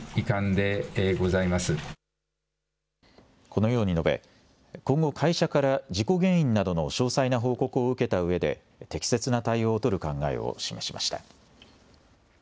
このように述べ、今後、会社から事故原因などの詳細な報告を受けたうえで、適切な対応を取る考えを示しました。